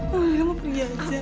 mama lila mau pergi aja